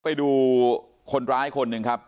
ไปดูคนร้ายคนหนึ่งครับ